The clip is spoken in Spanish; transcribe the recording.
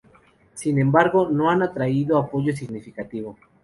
Sin embargo, no han atraído apoyo significativo.